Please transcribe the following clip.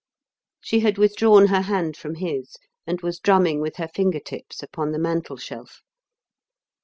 She had withdrawn her hand from his and was drumming with her finger tips upon the mantelshelf.